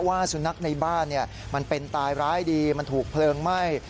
ว่าสุนัขในบ้านมันเป็นตายร้ายดีมันถูกเพลิงไหม้